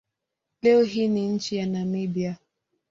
Leo hii ni nchi ya Namibia.